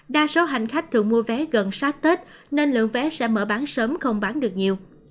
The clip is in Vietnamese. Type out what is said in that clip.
đa số hành khách thường mua vé gần sát tết nên lượng vé sẽ mở bán sớm không bán được nhiều